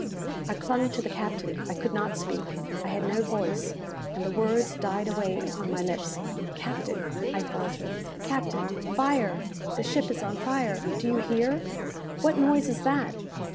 I clung to the captain I could not speak I had no voice, and the words died away upon my lips. "Captain!" I faltered; "captain! fire! the ship is on fire do you hear? what noise is that?"